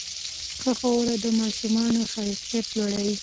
ښه ښوونه د ماشومانو خلاقیت لوړوي.